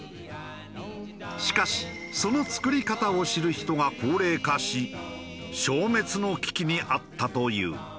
しかしその作り方を知る人が高齢化し消滅の危機にあったという。